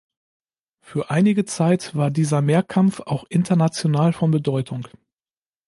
Für einige Zeit war dieser Mehrkampf auch international von Bedeutung.